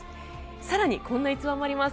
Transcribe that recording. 更にこんな逸話もあります。